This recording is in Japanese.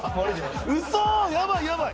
うそー、やばいやばい。